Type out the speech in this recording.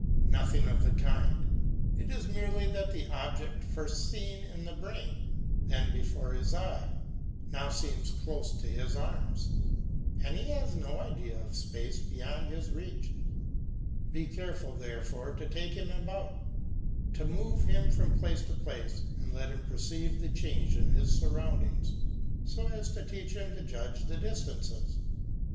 Nothing of the kind, it is merely that the object first seen in his brain, then before his eyes, now seems close to his arms, and he has no idea of space beyond his reach. Be careful, therefore, to take him about, to move him from place to place, and to let him perceive the change in his surroundings, so as to teach him to judge of distances.